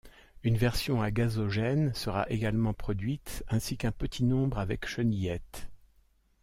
Une version à gazogène sera également produite ainsi qu'un petit nombre avec chenillettes.